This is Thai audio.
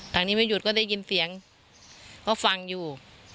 ทางนี้ไม่หยุดก็ได้ยินเสียงเขาฟังอยู่